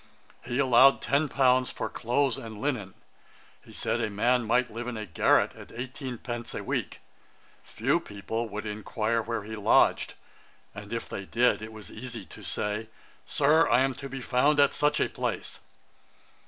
He allowed ten pounds for clothes and linen. He said a man might live in a garret at eighteen pence a week; few people would inquire where he lodged; and if they did, it was easy to say, 'Sir, I am to be found at such a place.'